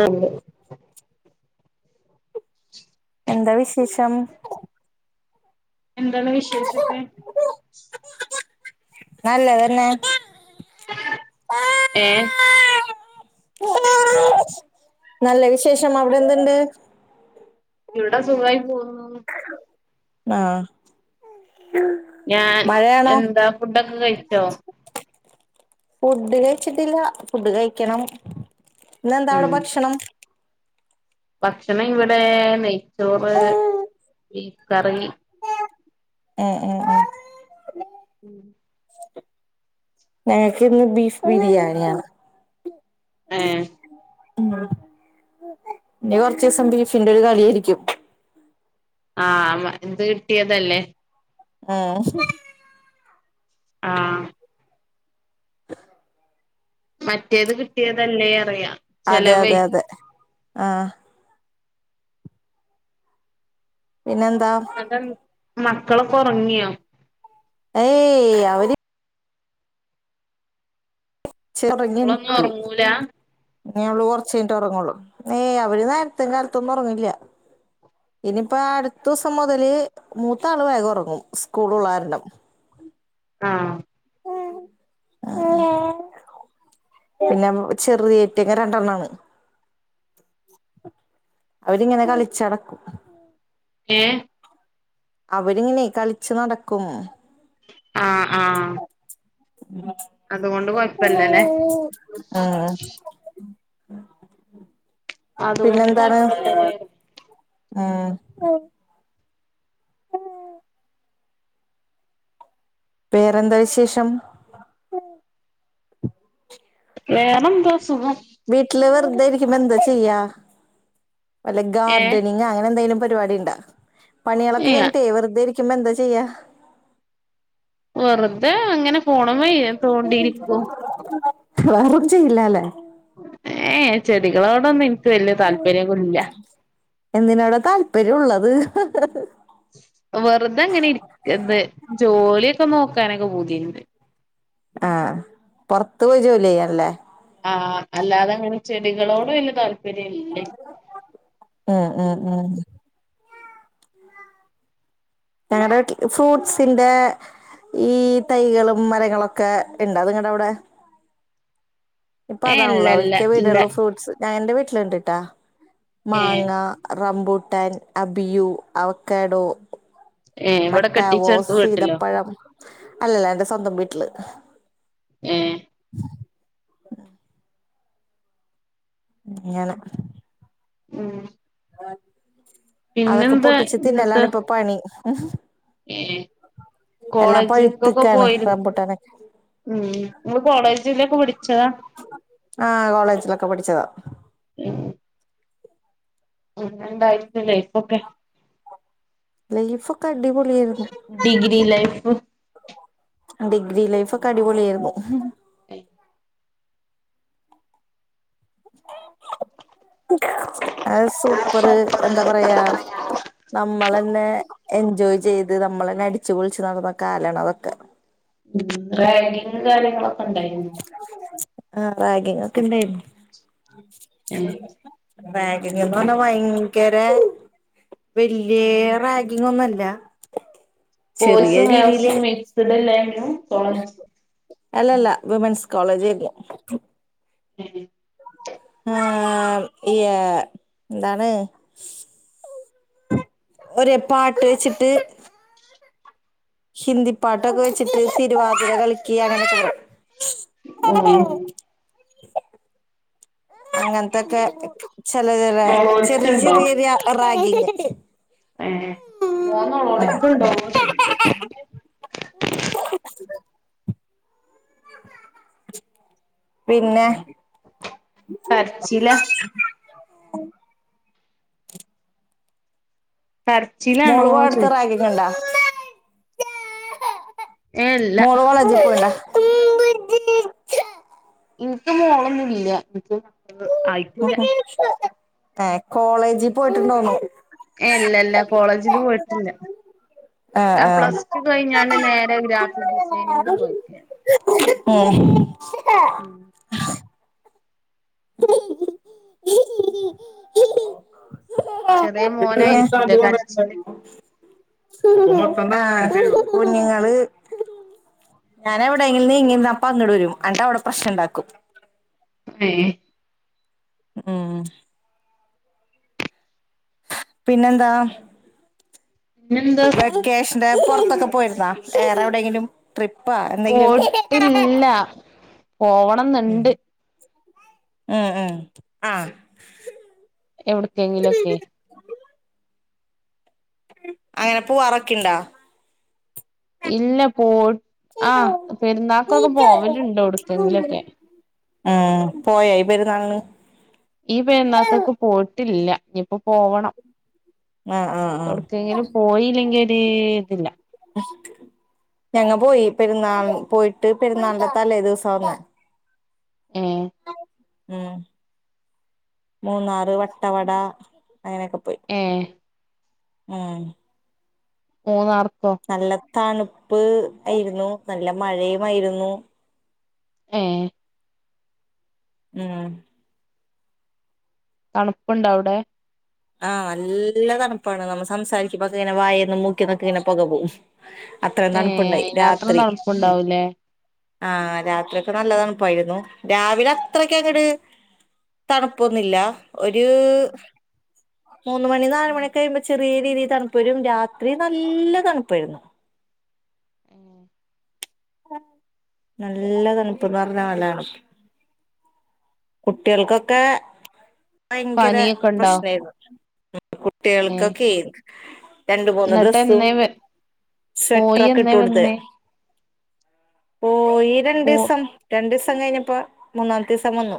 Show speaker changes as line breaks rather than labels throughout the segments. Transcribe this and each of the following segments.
ആഹ് ഉ [inaudible] [inaudible]
എന്താ വിശേഷം
എന്തണ് വിശേഷക്കെ
നല്ലതന്നെ
ഏഹ്
നല്ല വിശേഷം അവിടെ എന്തുണ്ട്
ഇവിടെ സുഖയി പോകുന്നു
ആഹ്
ഞാൻ
മഴയാണോ
എന്താ ഫുഡൊക്കെ കഴിച്ചോ
ഫുഡ് കഴിച്ചിട്ടില്ല ഫുഡ് കഴിക്കണം ഇന്നെന്താവ്ടെ
ഉം
ഭക്ഷണം
ഭക്ഷണം ഇവിടെ നെയ്ച്ചോറ് ബീഫ് കറി
എഹ് എഹ് ഏഹ്
ഉം
ഞങ്ങക്ക് ഇന്ന് ബീഫ് ബിരിയാണിയാ ഉ
ഏ
[inaudible] ഉം ഇനി കുറച്ച് ദിവസം ബീഫിന്റെ ഒരു കളിയായിരിക്കും
ആഹ് എന്ത് കിട്ടിയതല്ലേ
ആഹ്
ആഹ് മറ്റേത് കിട്ടിതല്ലേ പറയാ
അതെ അതെ അതെ ആഹ് പിന്നെന്താ
എന്നട്ട് ൻ മക്കളൊക്കെ ഒറങ്ങിയോ
ഏയ് അവര്
മക്കളൊന്നും
ചെറങ്ങിൻറ്റു
ഉറങ്ങൂല
അവള് കുറച്ച കൈഞ്ഞിട്ട് ഉറങ്ങുള്ളൂ, ഏയ് അവര് നേരത്തേ കാലത്തൊന്നും ഉറങ്ങില്ല ഇനിയിപ്പ അടുത്ത ദിവസം മുതല് മൂത്ത ആള് വേഗം ഉറങ്ങും സ്കൂൾ ഉള്ളാരണം
ആഹ്
ആഹ് പിന്നെ ചെറുതറ്റിങ്ങെ രണ്ടെണ്ണം ആണ് അവരിങ്ങനെ കളിച്ചടക്കും
ഏഹ്
അവരിങ്ങനെ കളിച്ചു നടക്കും
ആഹ് ആഹ് കൊഴപ്പല്ലല്ലേ
ഉം
അതുകൊണ്ട്
പിന്നെന്താണ്?
കൊഴപ്പല്ലല്ലേ
ആഹ് വേറെന്താ വിശേഷം?
വേറെന്തോ സുഖം.
വീട്ടില് വെർതെ ഇരിക്കുമ്പോ എന്താ ചെയ്യാ വല്ല
ഏ
ഗാർഡനി അങ്ങനെ എന്തേലും പരിപാടി ണ്ടാ പണിളൊക്കെ
ഇല്ല
കഴിഞ്ഞിട്ടേ വെർതെ ഇരിക്കുമ്പോ എന്താ ചെയ്യാ?
വെറുതെ അങ്ങനെ ഫോൺമ്മേ തോണ്ടിയിരിക്കും.
വേറൊന്നും ചെയ്യ്ല്ലാല്ലേ?
ഏഹ് ചെടികളോടൊന്നും ഇൻക്ക് വല്ല്യ താല്പര്യം പോലും ല്ല.
എന്തിനോട താല്പര്യം ഉള്ളത്?
വെർതെ ഇങ്ങനെ ഇരിക്ക ന്ത് ജോലിക്കെ നോക്കാനൊക്കെ പൂതിണ്ട്.
ആഹ് പൊറത്ത് പോയി ജോലി ചെയ്യാനല്ലേ?
ആഹ് അല്ലാതെ അങ്ങനെ ചെടികളോട് വല്യ താല്പര്യല്ലെനി
ഉം ഉം ഉം ഞങ്ങടെ വ്ട്ട്ല് ഫ്രൂട്ട്സിന്റെ ഈ തൈകളും മരങ്ങളൊക്കെ ഇണ്ടാ അത്ങ്ങട്ട് അഒടെ
ഏ ഇല്ല
ഇപ്പതാണല്ല
ഇല്ല
മിക്ക
ഇല്ല
വീട്കളിലും ഫ്രൂട്സ്. [unintelligible] എന്റെ വീട്ടില് ഇണ്ട്ട്ടാ
ഏ
മാങ്ങ റംബൂട്ടാൻ, അബിയു, അവക്കാഡോ
ഇവിടെ
മട്ടാവോ,
കെട്ടിച്ചെടുത്ത് വീട്ടിലോ
സീതപ്പഴം അല്ലല്ല എന്റെ സ്വന്തം വീട്ടില്
ഏഹ്
ഇങ്ങനെ
ഉം
അതൊക്കെ
പിന്നെന്താ
പൊട്ടിച്ച്
ഇന്നത്തെ
തിന്നലാണ് പ്പ പണി. എല്ലാം
കോളേജിക്കൊക്കെ
പഴുത്തക്കാണ്
പോയിരു
റമ്പുട്ടനൊക്കെ.
ഉം ങ്ങള് കോളേജിലൊക്കെ പടിച്ചതാ?
ആഹ് കോളേജിലൊക്കെ പഠിച്ചതാ.
ഉം എങ്ങനുണ്ടായിരുന്നു ലൈഫൊക്കെ?
ലൈഫൊക്കെ അടിപൊളിയായിരുന്നു.
Degree life?
ഡിഗ്രി ലൈഫ് ഒക്കെ അടിപൊളിയായിരുന്നു.
ഏഹ്
അഹ് സൂപ്പർ എന്താ പറയാ നമ്മളെന്നെ എൻജോയ് ചെയ്ത് നമ്മളെന്നെ അടിച്ചുപൊളിച്ച് നടന്ന കാലാണ് അതൊക്കെ.
ഉം റാഗിംഗ് കാര്യങ്ങളൊക്കെ ഇണ്ടായിരുന്നോ?
ആഹ് റാഗിങ്ങക്കെ ഇണ്ടായിരുന്നു. റാഗിങ്ങ്ന്നർഞ്ഞ വയങ്കരേ വല്യ റാഗിംഗ് ഒന്നല്ല.
ബോയ്സും ഗേൾസും മിക്സ്ഡ് അല്ലായിരുന്നു കോളേജ്?
അല്ലല്ല വുമെൻസ് കോളേജെയ്ന്ന്
ഏഹ്
ആഹ് യാ എന്താണ് ഒരേ പാട്ട് വെച്ചിട്ട് ഹിന്ദി പാട്ടൊക്കെ വെച്ചിട്ട് തിരുവാതിര കളിക്ക അങ്ങനൊക്കെ.
ഉം
അങ്ങൻത്തക്കെ ചെലേ ലേ ചെറിയ
ഒളോളിച്ചുണ്ടോ
ചെറിയ രാ റാഗിംഗ്.
ഏഹ് മോൻ
ഉം
നൊളോളിക്ക്ണ്ടോന്ന് ചോയ്ക്ക?
പിന്നെ?
കരച്ചിലാ? കർ
മോള് പോയടുത്ത് റാഗിങ്‌ണ്ട
ഏ ഇല്ല
മോളെ കോളേ ജില് പോയോ [unintelligible]
ഇൻക്ക് മോളൊന്നും ഇല്ല. മക്കള് ആയിട്ടില്ല
ഏഹ് കോളേജ്
ഏഹ് ഇല്ല ഇല്ല കോളേജില് പോയിട്ടില്ല.
ആ
ഞാൻ
ആ
പ്ലസ് ടു കഴിഞ്ഞാണ്ട് നേരെ ഗ്രാഫിക് ഡിസൈനിങ്ങിന് പോയിക്കാണ്.
ഉം
ഉം ചെറിയ
പിന്നെ [inaudible]
മോനായിരിക്കൂലേ കരച്ചില്
കുഞ്ഞുങ്ങള് ഞാന എവിടെെങ്കില ഇങ്ങപ്പ അോട്ട വരും എന്നി് അവിടെ പ്രശ്ം ഉണ്ടാക്കും
ഏഹ
ഉം പിന്നെന്താ
പിന്നെന്താ
വെക്കേഷനില് പുൊറത്തൊക്കെ പോയിരുന്നാ േവറെ എവിടെയെങ്കിലും ട്രിപ്പ് എന്തെങ്കിലും
പോട്ടില്ല
ആ
പോവണംന്നുണ്ട്
ഉ ഉ ആഹ്
എവിടേക്കെങ്കിലും ഒക്കെ
അയാ പൂ അറക്കിണ്ട
ഇല്ല പോയി ആ പെരുന്നാക്കൊക്കെ പോവലുണ്ടോ അവിടുത്തെങ്കിലുംൊക്കെ.
അഹ പോയോ ഈ പെരുന്നാളിന്
ഈ പെരുന്നാകക് പോയിട്ടില്ല ഇനിയിപ്പോ പോകണം
ആഹ് ആഹ് ആഹ്
എവിടെക്കേങ്കിലും പോയില്ലെങ്കിൽ ഒരു ഇതില്ല
ഞങ്ങ പോയി പെരുന്നാൾ പോയിട്ട് പെരുന്നാളിന്റെത്തല്ലേ ദിവസ വന്ന
ആഏ
ഉ മൂന്നാറ് വട്ടവട അങ്ങനെയൊക്കെ പോയി
ആഏ
ഉം
മൂന്നാർക്കോ
നല്ല തണുപ്പ് ആയിരുന്നു നല്ല മഴയുമായിരുന്നു
ആഏ
ഉം
തണുപ്പുണ്ട വിടെ
ആഹ് നല്ല തണുപ്പാണ് നമ്മ സംസാരിക്ക്പൊക്ക ഇങ്ങനെ വായന്നും മൂക്കി നക്ക ഇങ്ങനെ പുക പോവും അത്രയും
ഏഹ്
തണുപ്പുണ്ടായി
അയിനാത്രം
രാത്രി
തണുപ്പുണ്ടാവൂലേ
ആഹ് രാത്രിയൊക്കെ നല്ലത തണുപ്പായിരുന്നു രാവിലെ അത്രൊക്കൊ കേട് തണുപ്പൊന്നില്ല ഒരു മൂന്ന് മണി നാലല് മണിയൊക്കെ കഴിയുമ്പോൾ ചെറിയ രീതിയിൽ തണുപ്പ വരും രാത്രി നല്ല തണുപ്പായിരുന്നു
ഉം
നല്ല തണുപ്പ എന്ന് പറഞ്ഞ തണുപ്പ് കുട്ടികൾക്കൊക്കെ ഭയങ്കര
പനിയൊക്കെ ഉണ്ടോ
പ്രശ്നമായിരുന്നു
ഏഹ്
കുട്ടികൾക്കൊക്കെ രണ്ട് മൂന്ന്
എന്നിട്ട്
ഡ്രസ്സും
എന്നേ പോയി
സ്വെറ്ററൊക്കെ ഇട്ട
എന്നേ
കൊടുത്ത്
വന്നേ
ഓ ഈ രണ്ടു
പോ
ദിവസം രണ്ടു ദിവസം കഴിഞ്ഞപ്പോ മൂന്നാമത്തെ ദിവസം വന്നു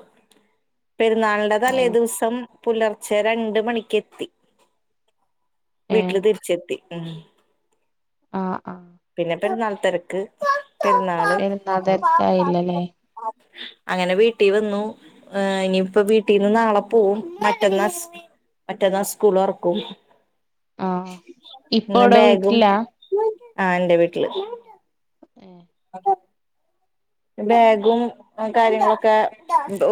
പെരുന്നാളിന്റെ
ഏഹ്
തലേദിവസം പുലർച്ചെ രണ്ട മണിക്ക് എത്തി
ഏഹ്
വീട്ടില് തിരിച്ചെത്തി ഉ
ആ ആ
പിന്നെ പെരുന്നാൾ തിരക്ക് പെര്ന്നാ
പെരുന്നാ തെരക്കായല്ലോ ലേ
അങ്ങനെ വീട്ടി വന്നു. ഏഹ് ഇനിയിപ്പൊ വീട്ടീന്ന് നാളെ പോവും മറ്റന്നാ സ് മറ്റന്നാ സ്കൂളൊർക്കും.
ആഹ് ഇപ്പ
ഇന്ന്
ഇവിടെ
ബാഗും
വീട്ടിലാ
ആഹ് ഇൻ്റെ വീട്ടില്
ഏഹ്
അത ബാഗും കാര്യങ്ങളൊക്കെ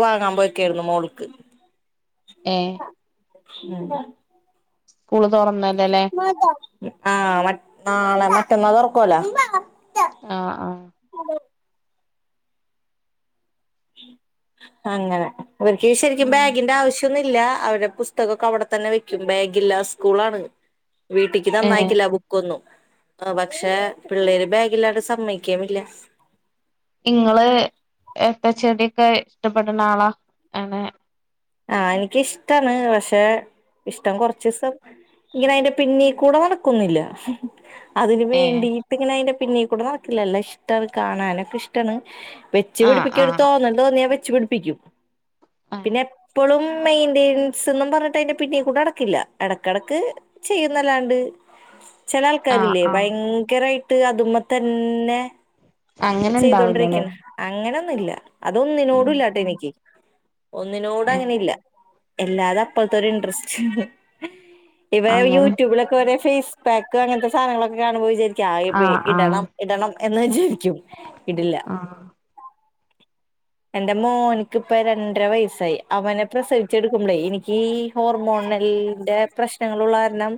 വാങ്ങാൻ പോയെക്കായിര്ന്നു മോൾക്ക്.
ഏഹ്
ഉം
സ്ക്കൂള് തൊറന്നല്ലോ ല്ലെ
ആഹ് മറ്റ് നാളെ മറ്റന്നാ തോർക്കൊല്ലോ
ആഹ് ആഹ്
അങ്ങനെ ഇവര്ക്ക് ശെരിക്കിം
ഉം
ബാഗിൻ്റാവശ്യ ത്ത്ന്നില്ല അവര്ടെ പുസ്തകൊക്കെ അവടെ തെന്നെ വെക്കും ബാഗില്ല സ്ക്കൂളാണ്. വീട്ടി ക്ക്
ഏഹ്
തന്നയക്കില്ല ബുക്കൊന്നും പക്ഷെ പിള്ളേര് ബാഗിലാട് സമ്മയ്ക്കേം ഇല്ല
ഇങ്ങള് എത്ത ചെട്യക്കെ ഇഷ്ടപ്പെടണാളാ ആ [unintelligible]
ആഹ് എനിക്ക്ഷ്ടാണ് പക്ഷെ ഇഷ്ടം കൊർച്ചീസം ഇങ്ങനെ അയ്ന്റെ പിന്നീ കൂടെ നടക്കൊന്നുല്ല അതിന്
ഏഹ്
വേണ്ടി ട്ട് ങ്ങനെ അയ്ന്റെ പിന്നീ കൂടെ നടക്കില്ല എല്ല ഇഷ്ടണ് കാണാനെക്കെഷ്ടാണ് വെച്ച്
ആഹ്
പിടിപ്പിക്കൊരു
ആഹ്
തോന്ന തോന്ന്യാ വെച്ച് പിടിപ്പിക്കും
ഏഹ്
പിന്നെ പ്പളും മെയിന്റൻസ് ന്നും പർഞ്ഞിട്ട് അയ്ന്റെ പിന്നീകൂടെ നടക്കില്ല എടക്കെടക്ക് ചെയ്യുന്നല്ലാണ്ട്
ആഹ്
ചെലാൾക്കാരില്ലേ
ആഹ്
ഭയങ്കരായിട്ട് അത് മ്മേ തന്നെ
അങ്ങനെ ഇണ്ടാവില്ലല്ലേ
ചെയ്തൊണ്ടിരിക്ക്ണ് അങ്ങനൊന്നുല്ല
ഉം
അതൊന്നിനോടുല്ലാട്ടൊ എനിക്ക്
ഏഹ്
ഒന്നിനോടങ്ങനെല്ല എല്ലാതപ്പൾത്തൊരിൻട്രസ്റ്റ്. ഇവ
അങ്ങനെ
യൂട്യൂബിലൊക്കൊരേ ഫേസ്പാക്ക് അങ്ങൻത്തെ സാധൻങ്ങളൊക്കെ കാണുമ്പോ വിചാരിക്കും അയ് പി
ആഹ് ആഹ്
ഇടണം ഇടണം എന്ന് വിചാരിക്കും. ഇടില്ല
ആഹ്
എന്റെ മോൻക്കിപ്പ രണ്ടര വയസ്സായി അവനെ പ്രസവിച്ചട്ക്കുമ്പളേ എനിക്കീ ഹോർമോണൽന്റെ പ്രശ്നങ്ങളുള്ള കാരണം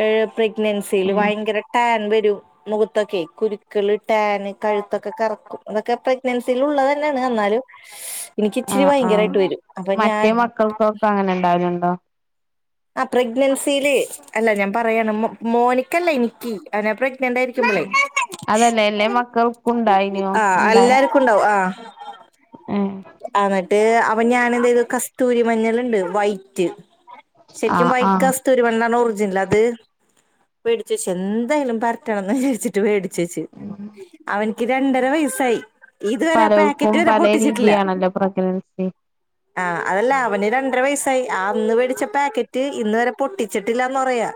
ഏഹ് പ്രഗ്നൻസിയില്
ഏഹ്
ഭയങ്കര ടാൻ വെരും മുഖത്തൊക്കെ കുരുക്കള് ടാൻ കഴുത്തൊക്കെ കറക്കും അതൊക്കെ പ്രഗ്നൻസിയില് ഉള്ളതെന്നെണ് അന്നാലും ഇൻക്കിച്ചിരി
ആഹ് ആഹ്
ഭയങ്കരായിട്ട് വെരും അപ്പൊ ഞാൻ
മറ്റേ മക്കൾക്കൊക്കെ അങ്ങനെ ഇണ്ടാവലുണ്ടോ
ആ പ്രഗ്നൻസിയില് അല്ല ഞാൻ പറയാണ് മോ മോനിക്കല്ല ഇനിക്കി. അവനെ പ്രെഗ്നൻ്റായിരിക്കുമ്പളേ
അതല്ല എല്ലേ മക്കൾക്കും ഉണ്ടായിനോ
ആഹ്
ഉണ്ടായി
അല്ലാർക്കുണ്ടാവും ആഹ്
ഏഹ്
അന്നട്ട് അപ്പോ ഞാനെന്തെയ്തു കസ്തൂരി മഞ്ഞള്ണ്ട് വൈറ്റ്. ശെരിക്കും
ആഹ്
വൈ
ആഹ്
കസ്ത്തൂരി മഞ്ഞളാണ് ഒർജിനല് അത് വേടിചെച്ചു എന്തായാലും പരറ്റണന്ന് വിചരിച്ചിട്ട് വേടിച്ചെച്ച് അവൻക്ക് രണ്ടര വയസായി. ഇത് വരെ ആ പാക്കറ്റ്
പലോർക്കും
വരെ
പല
പൊട്ടിച്ചിട്ടില്ല.
രീതിയാണല്ലോ പ്രഗ്നൻസി
ആഹ് അതല്ല അവന് രണ്ടര വയസ്സായി ആ അന്ന് വേടിച്ച പാക്കറ്റ് ഇന്ന് വരെ പൊട്ടിച്ചിട്ടില്ലന്ന് പറയാ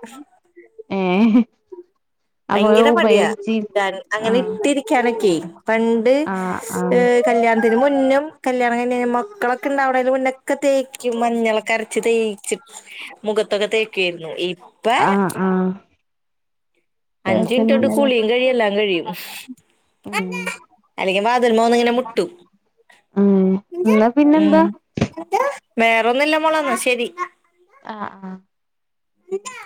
ഏഹ് അപ്പൊ
ഭയങ്കര മടിയ
ഉപയോഗിച്ച്
ഞാൻ
ആഹ്
അങ്ങനിട്ടിരിക്കാനൊക്കെ പണ്ട്
ആഹ് ആഹ്
ഏഹ് കല്യാണത്തിന് മുന്നും കല്യാണം കഴിഞ്ഞഴ്ഞ്ഞ് മക്കളൊക്കെണ്ടവാണെന്നു മുന്നെ ക്കെ തേക്കും മഞ്ഞളൊക്കരച്ച് തേച്ച് മുഖത്തൊക്കെ തേക്കേര്ന്നു ഇപ്പ
ആഹ് ആഹ്
അഞ്ച് മിൻറ്റോണ്ട്
കേക്കുന്നില്ലല്ലേ
കുളിയും കഴിയും എല്ലാം കഴിയും.
ഉം
അല്ലങ്കി വാതിൽമ വന്ന്ങ്ങനെ മുട്ടും
ഉം എന്നാ പിന്നെന്താ
ഉം വേറെന്നുംല്ല മോളന്ന ശരി
ആഹ് ആഹ്
ഇൻന്താ